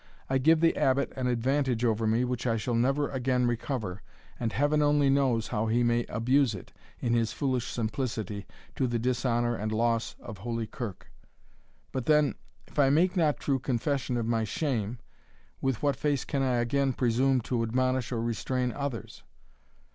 I give the Abbot an advantage over me which I shall never again recover, and Heaven only knows how he may abuse it, in his foolish simplicity, to the dishonour and loss of Holy Kirk. But then, if I make not true confession of my shame, with what face can I again presume to admonish or restrain others?